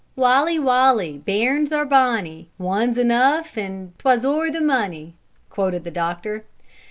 "Waly waly! bairns are bonny: One's enough and twa's ower mony," quoted the doctor.